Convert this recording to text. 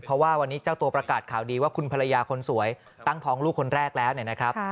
เพราะว่าวันนี้เจ้าตัวประกาศข่าวดีว่าคุณภรรยาคนสวยตั้งท้องลูกคนแรกแล้วเนี่ยนะครับ